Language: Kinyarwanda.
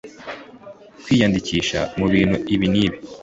kwiyandikisha mu bintu ibi n’ibi